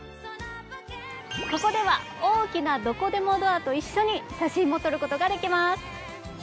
ここでは大きなどこでもドアと一緒に写真も撮る事ができます。